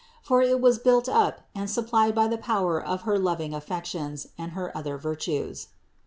For it was built up and supplied by the power of her loving affections and her other virtues.